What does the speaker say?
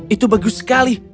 itu bagus sekali